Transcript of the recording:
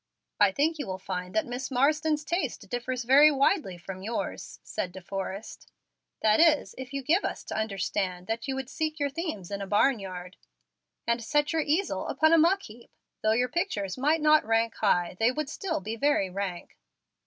"I think you will find that Miss Marsden's taste differs very widely from yours," said De Forrest; "that is, if you give us to understand that you would seek your themes in a barn yard, and set your easel upon a muck heap. Though your pictures might not rank high they would still be very rank."